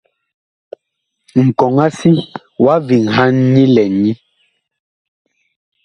Nkɔŋ-a-si wa veŋhan nyi lɛn nyi.